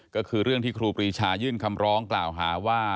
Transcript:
ก็คือเรื่องที่ครูปรีชายื่นคำร้องกล่าวหาว่า